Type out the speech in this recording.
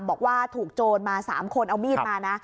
บอกว่าถูกโจรมา๓คนเอามีดมานะ